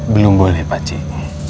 belum boleh pacik